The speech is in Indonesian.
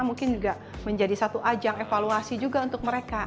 mungkin juga menjadi satu ajang evaluasi juga untuk mereka